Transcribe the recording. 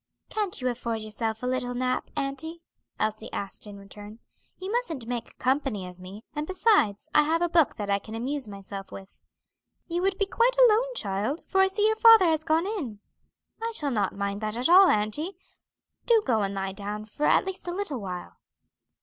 "Can't you afford yourself a little nap, auntie?" Elsie asked in return. "You mustn't make company of me; and, besides, I have a book that I can amuse myself with." "You would be quite alone, child, for I see your father has gone in." "I shall not mind that at all, auntie. Do go and lie down for at least a little while."